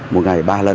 một ngày ba lần